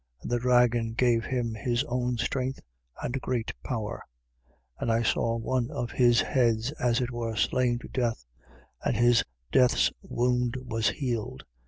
And the dragon gave him his own strength and great power. 13:3. And I saw one of his heads as it were slain to death: and his death's wound was healed.